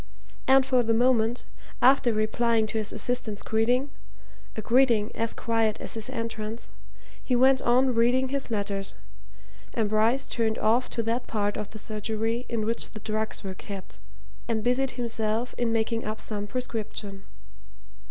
And for the moment, after replying to his assistant's greeting a greeting as quiet as his entrance he went on reading his letters, and Bryce turned off to that part of the surgery in which the drugs were kept, and busied himself in making up some prescription.